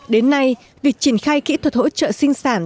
đến nay việc triển khai kỹ thuật hỗ trợ sinh sản